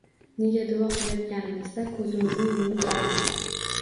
Nega duo kilayotganimizda kuzimizni yumib olamiz…